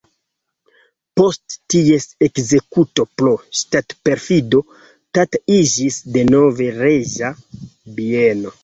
Post ties ekzekuto pro ŝtatperfido Tata iĝis denove reĝa bieno.